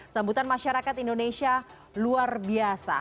sambutan masyarakat indonesia luar biasa